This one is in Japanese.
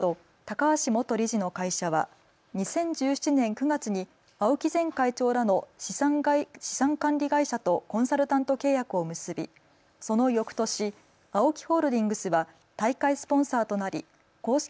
関係者によりますと高橋元理事の会社は２０１７年９月に青木前会長らの資産管理会社とコンサルタント契約を結び、そのよくとし、ＡＯＫＩホールディングスは大会スポンサーとなり公式